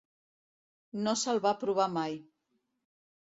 No se'l va provar mai.